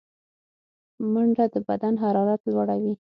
منډه د بدن حرارت لوړوي